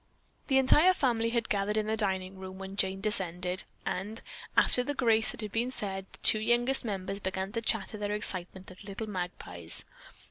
The entire family had gathered in the dining room when Jane descended, and, after the grace had been said, the two youngest members began to chatter their excitement like little magpies.